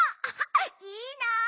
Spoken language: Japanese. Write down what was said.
いいな！